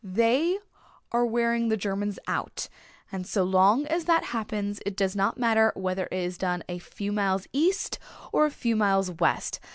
"They are wearing the Germans out and so long as that happens it does not matter whether it is done a few miles east or a few miles west.